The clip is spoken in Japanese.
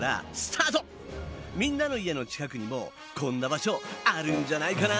みんなの家の近くにもこんな場所あるんじゃないかな？